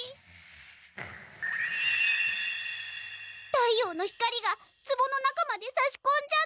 太陽の光がつぼの中までさしこんじゃって。